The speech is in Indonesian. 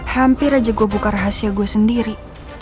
hampir aja gue buka rahasia gue sendiri